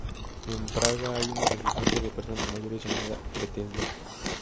En Praga hay una residencia de personas mayores llamada Bethesda.